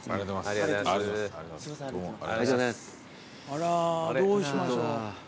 あらどうしましょう。